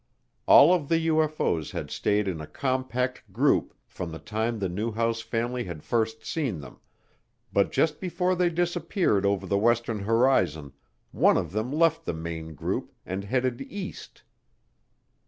All of the UFO's had stayed in a compact group from the time the Newhouse family had first seen them, but just before they disappeared over the western horizon one of them left the main group and headed east.